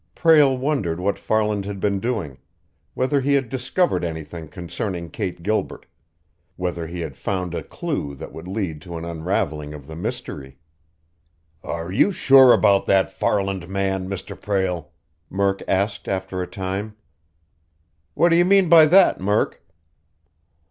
Prale wondered what Farland had been doing, whether he had discovered anything concerning Kate Gilbert, whether he had found a clew that would lead to an unraveling of the mystery. "Are you sure about that Farland man, Mr. Prale?" Murk asked, after a time. "What do you mean by that, Murk?"